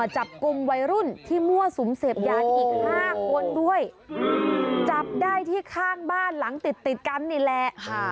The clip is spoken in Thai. จับได้ที่ข้างบ้านหลังติดกันนี่แหละ